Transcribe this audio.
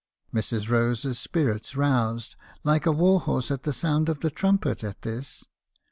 "Mrs. Rose's spirit roused, like a war horse at the sound of the trumpet, at this.